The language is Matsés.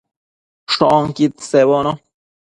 Shoquid sebono